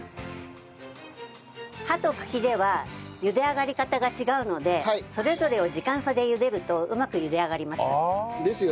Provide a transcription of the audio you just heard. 葉と茎では茹で上がり方が違うのでそれぞれを時間差で茹でるとうまく茹で上がります。